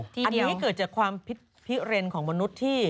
อันนี้เกิดจากความพิเรนของมนุษย์ที่